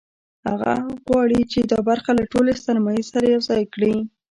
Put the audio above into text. هغه غواړي چې دا برخه له ټولې سرمایې سره یوځای کړي